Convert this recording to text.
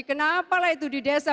kenapa lah itu di desa